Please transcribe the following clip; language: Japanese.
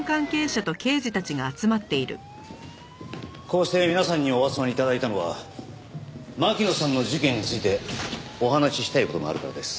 こうして皆さんにお集まり頂いたのは巻乃さんの事件についてお話ししたい事があるからです。